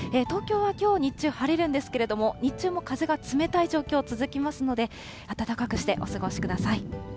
東京はきょう日中晴れるんですけれども、日中も風が冷たい状況続きますので、暖かくしてお過ごしください。